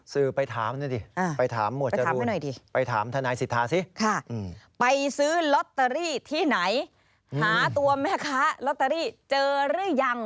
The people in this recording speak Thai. สื่อไปถามด้วยดิไปถามหมวดจรูน